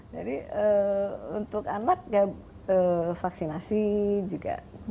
jadi untuk anak ya vaksinasi juga